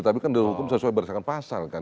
tapi kan di hukum sesuai beresahkan pasal kan